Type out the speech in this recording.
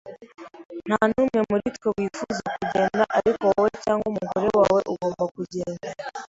Nta n'umwe muri twe wifuza kugenda, ariko wowe cyangwa umugore wawe ugomba kugenda.